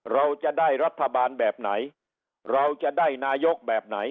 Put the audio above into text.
เราจะได้รัฐบาลแบบไหนเราจะได้นายกแบบไหน